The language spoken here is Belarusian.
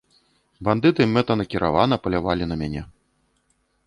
Бандыты мэтанакіравана палявалі на мяне.